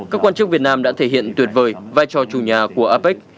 các quan chức việt nam đã thể hiện tuyệt vời vai trò chủ nhà của apec